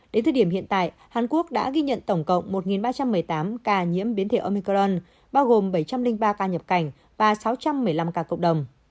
đến thời điểm hiện tại hàn quốc đã ghi nhận tổng cộng một ba trăm một mươi tám ca nhiễm biến thể omicron bao gồm bảy trăm linh ba ca nhập cảnh và sáu trăm một mươi năm ca cộng đồng